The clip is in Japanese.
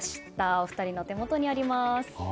お二人の手元にあります。